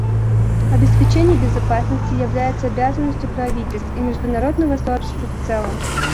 Обеспечение безопасности является обязанностью правительств и международного сообщества в целом.